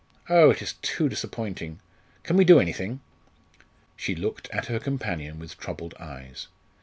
Oh! it is too disappointing! Can we do anything?" She looked at her companion with troubled eyes.